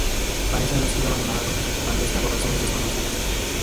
Parece haber sido abandonada por sus ocupantes por razones desconocidas.